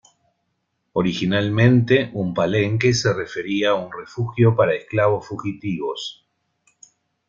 Originalmente un palenque se refería a un refugio para esclavos fugitivos.